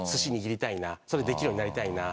それできるようになりたいな。